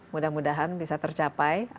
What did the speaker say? mudah mudahan bisa tercapai